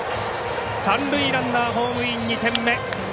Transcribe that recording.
三塁ランナーホームイン２点目。